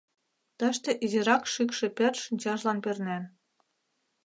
Тыште изирак шӱкшӧ пӧрт шинчажлан пернен.